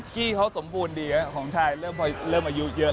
กี้เขาสมบูรณ์ดีของชายเริ่มอายุเยอะ